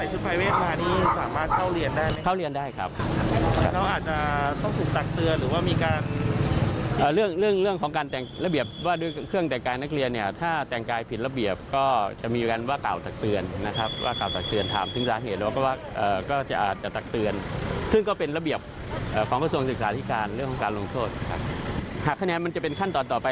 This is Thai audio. หากแค่นี้มันจะเป็นขั้นต่อไป